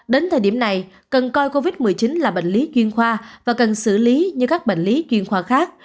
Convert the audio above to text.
đến thời điểm này cần coi covid một mươi chín là bệnh lý chuyên khoa và cần xử lý như các bệnh lý chuyên khoa khác